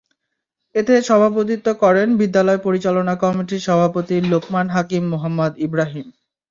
এতে সভাপতিত্ব করেন বিদ্যালয় পরিচালনা কমিটির সভাপতি লোকমান হাকিম মোহাম্মদ ইব্রাহিম।